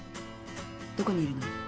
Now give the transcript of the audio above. どこにいるの？